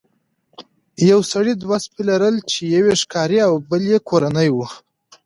یو سړي دوه سپي لرل چې یو یې ښکاري او بل یې کورنی و.